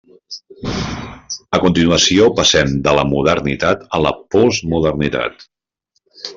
A continuació, passem de la modernitat a la postmodernitat.